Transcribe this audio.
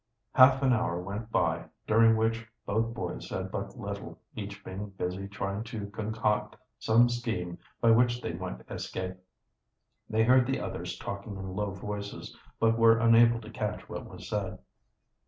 Half an hour went by, during which both boys said but little, each being busy trying to concoct some scheme by which they might escape. They heard the others talking in low voices, but were unable to catch what was said.